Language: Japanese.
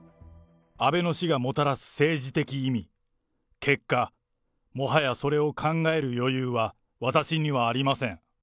安倍の死がもたらす政治的意味、結果、もはやそれを考える余裕は私にはありません。